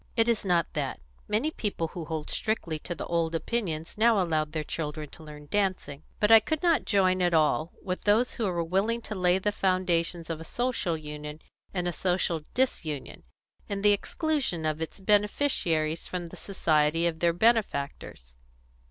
"It is not that. Many people who hold strictly to the old opinions now allow their children to learn dancing. But I could not join at all with those who were willing to lay the foundations of a Social Union in a social disunion in the exclusion of its beneficiaries from the society of their benefactors."